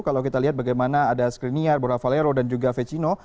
kalau kita lihat bagaimana ada screnia boravalero dan juga vecino